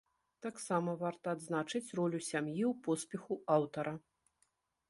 Таксама варта адзначыць ролю сям'і ў поспеху аўтара.